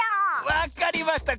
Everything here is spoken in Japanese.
わかりました。